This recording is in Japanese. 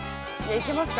いけますか？